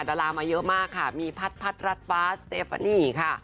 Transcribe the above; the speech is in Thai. ดารามาเยอะมากค่ะมีพัดรัดฟ้าสเตฟานีค่ะ